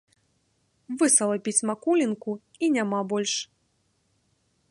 Высалапіць макулінку, і няма больш.